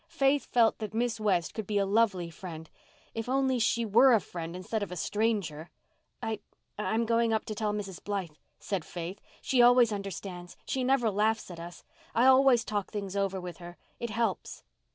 Faith felt that Miss West could be a lovely friend—if only she were a friend instead of a stranger! "I—I'm going up to tell Mrs. Blythe," said Faith. "She always understands—she never laughs at us. I always talk things over with her. It helps."